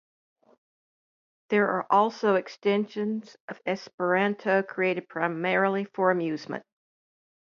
There are also extensions of Esperanto created primarily for amusement.